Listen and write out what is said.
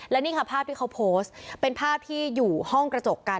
และนี่ค่ะภาพที่เขาโพสต์เป็นภาพที่อยู่ห้องกระจกกัน